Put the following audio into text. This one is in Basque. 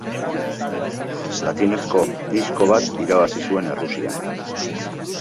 Platinozko Disko bat irabazi zuen Errusian.